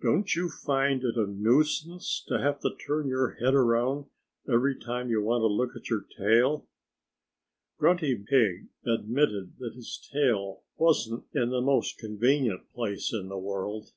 Don't you find it a nuisance to have to turn your head around every time you want to look at your tail?" Grunty Pig admitted that his tail wasn't in the most convenient place in the world.